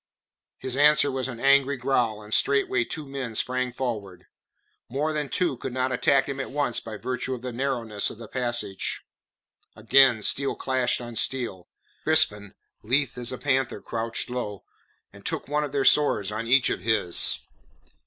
His answer was an angry growl, and straightway two men sprang forward. More than two could not attack him at once by virtue of the narrowness of the passage. Again steel clashed on steel. Crispin lithe as a panther crouched low, and took one of their swords on each of his.